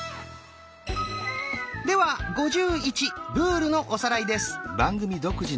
では「５１」ルールのおさらいです。